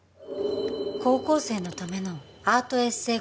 高校生のためのアートエッセイ